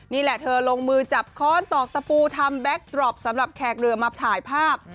นี่แหละเธอลงมือจับค้อนตอกตะปูทำแบ็คตรอปสำหรับแขกเรือมาถ่ายภาพ